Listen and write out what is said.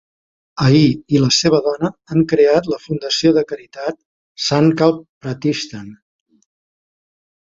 Ahir i la seva dona han creat la fundació de caritat Sankalp Pratishthan.